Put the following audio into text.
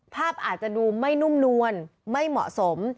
ภาพอาจจะดูไม่นุ่มนวลไม่เหมาะสม